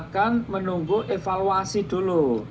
kan menunggu evaluasi dulu